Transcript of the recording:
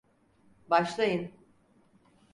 Başlayın.